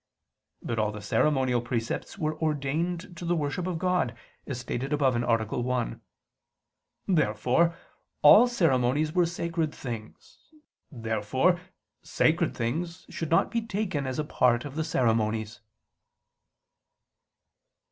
But all the ceremonial precepts were ordained to the worship of God, as stated above (A. 1). Therefore all ceremonies were sacred things. Therefore "sacred things" should not be taken as a part of the ceremonies.